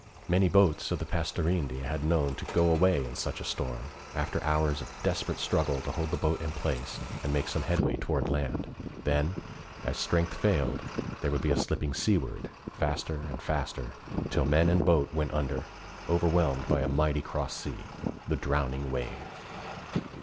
Many boats the Pastorinde had known to 'go away' in such a storm, after hours of desperate struggle to hold the boat in place and make some headway toward land. Then, as strength failed, there would be a slipping seaward, faster and faster, till men and boat went under, overwhelmed by a mighty cross sea 'the drowning wave.'